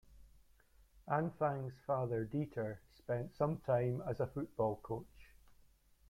Anfang's father Dieter spent some time as a football coach.